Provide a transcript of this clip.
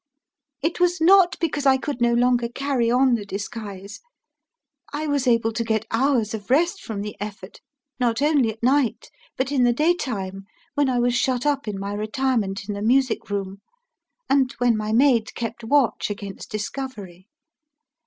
It was not because I could no longer carry on the disguise; I was able to get hours of rest from the effort, not only at night, but in the daytime, when I was shut up in my retirement in the music room, and when my maid kept watch against discovery.